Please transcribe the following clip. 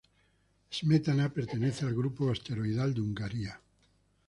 Smetana pertenece al grupo asteroidal de Hungaria.